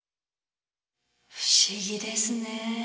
不思議ですねぇ。